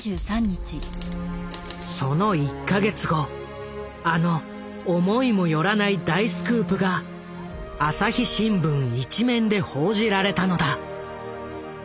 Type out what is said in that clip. その１か月後あの思いも寄らない大スクープが朝日新聞一面で報じられたのだ。